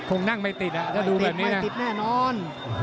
ถ้าดูแบบนี้มายังไงติดแน่นอน